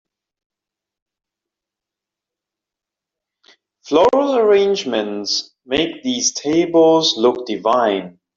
Floral arrangements make these tables look divine.